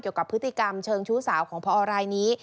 เกี่ยวกับพฤติกรรมเชิงชู้สาวของพอรายนี้